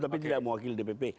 tapi tidak mewakili dpp